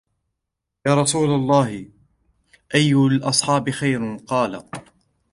يَا رَسُولَ اللَّهِ أَيُّ الْأَصْحَابِ خَيْرٌ ؟ قَالَ